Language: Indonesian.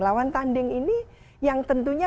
lawan tanding ini yang tentunya